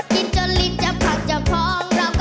กินจนลีดจะพานแล้วพองเรา